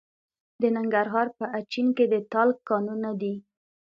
د ننګرهار په اچین کې د تالک کانونه دي.